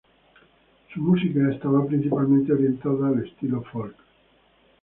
Su música estaba principalmente orientada al estilo "folk".